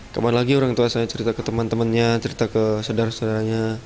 kemana lagi orang tua saya cerita ke teman temannya cerita ke saudara saudaranya